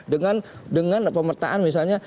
dengan pemertaan misalnya